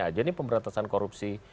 aja nih pemberantasan korupsi